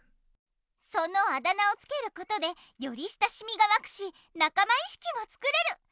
そのあだ名をつけることでより親しみがわくしなかまいしきも作れる！